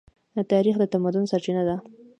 تاریخ د تمدن سرچینه ده.